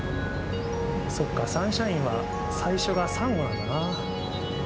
そっか、サンシャイン水族館は最初がさんごなんだな。